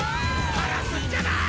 離すんじゃない！